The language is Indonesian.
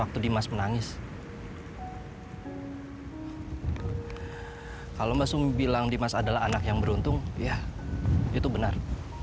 waktu dimas menangis kalau mbak sumi bilang dimas adalah anak yang beruntung ya itu benar